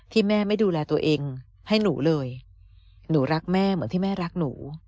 แม่ไม่ดูแลตัวเองให้หนูเลยหนูรักแม่เหมือนที่แม่รักหนู